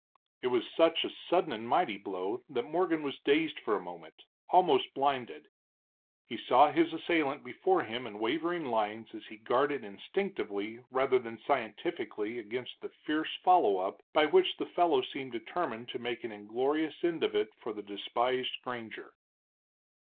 It was such a sudden and mighty blow that Morgan was dazed for a moment, almost blinded. He saw his assailant before him in wavering lines as he guarded instinctively rather than scientifically against the fierce follow up by which the fellow seemed determined to make an inglorious end of it for the despised granger.